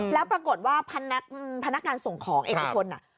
แล้วปรากฏว่าพนักงานส่งของเอกชน